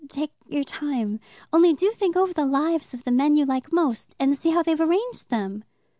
Take your time. Only do think over the lives of the men you like most, and see how they've arranged them."